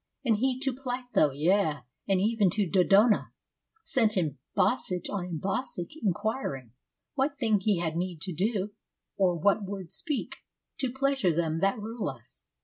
And he To Pytho, yea, and even to Dodona, Sent embassage on embassage, inquiring What thing he had need to do, or what word speak, To pleasure them that rule us.